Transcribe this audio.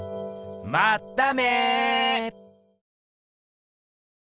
まっため。